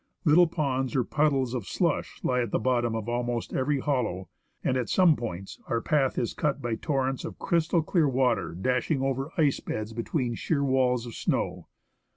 Little ponds or puddles of slush lie at the bottom of 87 THE ASCENT OF MOUNT ST. ELIAS almost every hollow ; and at some points our path is cut by torrents of crystal clear water dashing over ice beds between sheer walls of snow.